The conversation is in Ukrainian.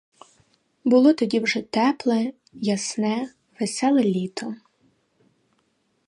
Було тоді вже тепле, ясне, веселе літо.